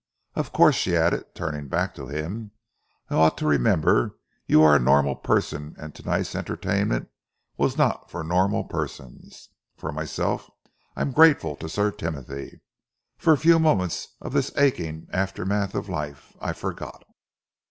Of course," she added, turning back to him, "I ought to remember you are a normal person and to night's entertainment was not for normal persons. For myself I am grateful to Sir Timothy. For a few moments of this aching aftermath of life, I forgot."